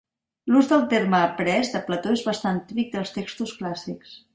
L'ús del terme "après" de Plató és bastant típic dels textos clàssics.